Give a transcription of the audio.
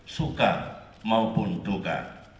suka maupun duka